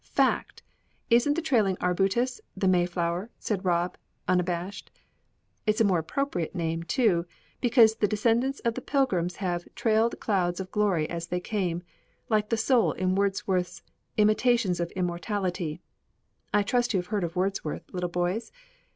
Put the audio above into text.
"Fact! Isn't the trailing arbutus the Mayflower?" said Rob, unabashed. "It's a more appropriate name, too, because the descendants of the Pilgrims have 'trailed clouds of glory as they came,' like the soul in Wordsworth's Intimations of Immortality I trust you have heard of Wordsworth, little boys?